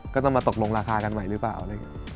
ก็ต้องมาตกลงราคากันใหม่หรือเปล่า